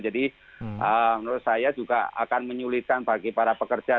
jadi menurut saya juga akan menyulitkan bagi para pekerja